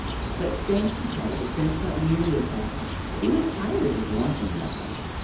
But strange to say, the Prince got weary of all this; he was tired of wanting nothing.